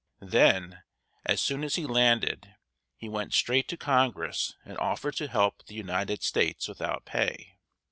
Then, as soon as he landed, he went straight to Congress and offered to serve the United States without pay.